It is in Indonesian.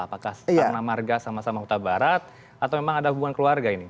apakah sama sama marga huta barat atau memang ada hubungan keluarga ini